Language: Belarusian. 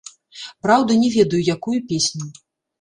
Праўда, не ведаю, якую песню.